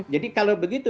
jadi kalau begitu